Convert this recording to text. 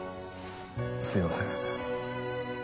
すいません。